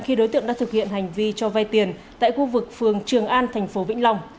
khi đối tượng đã thực hiện hành vi cho vay tiền tại khu vực phường trường an thành phố vĩnh long